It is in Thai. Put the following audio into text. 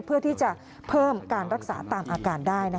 เพื่อที่จะเพิ่มการรักษาตามอาการได้